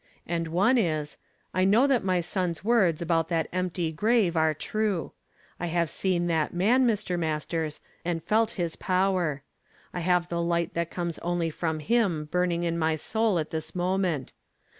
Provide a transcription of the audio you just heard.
And one is, I know that my son's words about that empty grave are true. I have seen that mm, Mr. Masters, and felt his power. I have the light that comes only from him burn ing in my soul at this moment.